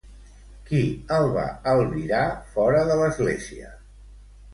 Qui el va albirar fora de l'església?